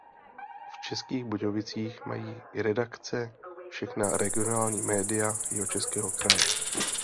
V Českých Budějovicích mají redakce všechna regionální média Jihočeského kraje.